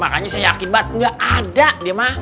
makanya saya yakin banget ga ada dia mah